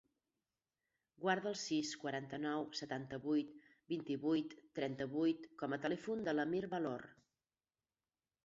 Guarda el sis, quaranta-nou, setanta-vuit, vint-i-vuit, trenta-vuit com a telèfon de l'Amir Valor.